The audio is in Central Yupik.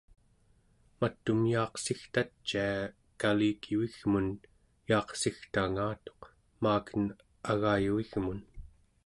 mat'um yaaqsigtacia kalikivigmun yaaqsigtangatuq maaken agayuvigmun